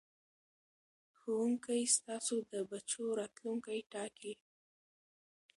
ښوونکو ستاسو د بچو راتلوونکی ټاکي.